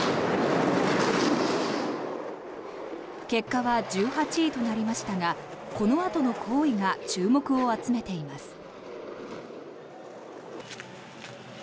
結果は１８位となりましたがこのあとの行為が注目を集めています。